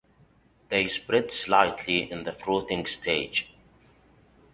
They spread slightly in the fruiting stage.